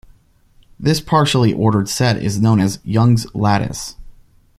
This partially ordered set is known as "Young's lattice".